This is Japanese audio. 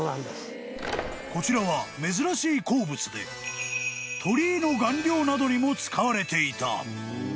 ［こちらは珍しい鉱物で鳥居の顔料などにも使われていた］